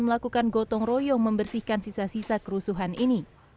melakukan gotong royong membersihkan sisa sisa kerusuhan ini